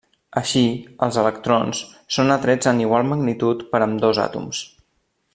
Així, els electrons són atrets en igual magnitud per ambdós àtoms.